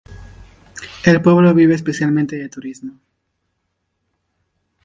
El pueblo vive especialmente de turismo.